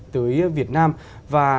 tới việt nam và